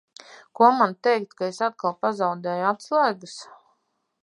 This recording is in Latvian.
Ko man teikt, ka es atkal pazaudēju atslēgas?